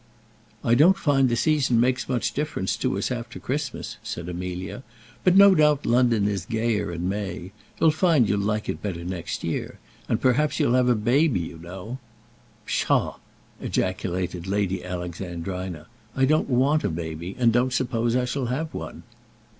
"I don't find the season makes much difference to us after Christmas," said Amelia; "but no doubt London is gayer in May. You'll find you'll like it better next year; and perhaps you'll have a baby, you know." "Psha!" ejaculated Lady Alexandrina; "I don't want a baby, and don't suppose I shall have one."